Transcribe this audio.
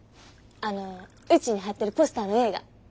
あのうちに貼ってるポスターの映画。